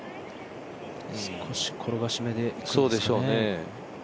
少し転がしめでいくんでしょうかね。